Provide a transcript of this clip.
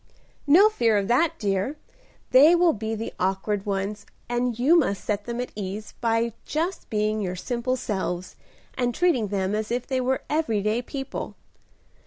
"No fear of that, dear. They will be the awkward ones, and you must set them at ease by just being your simple selves, and treating them as if they were every day people.